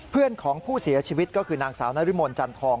เพื่อนของผู้เสียชีวิตก็คือนางสาวนรมนจันทอง